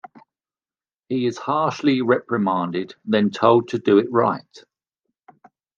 He is harshly reprimanded, then told to do it right!